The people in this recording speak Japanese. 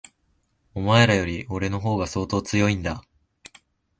お前らより、俺の方が相当強いんだ。